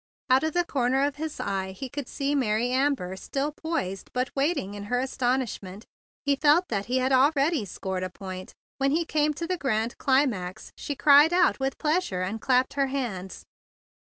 Out of the corner of his eye he could see Mary Amber still poised, but waiting in her astonishment. He felt that he had al¬ ready scored a point. When he came to the grand climax, she cried out with pleasure and clapped her hands.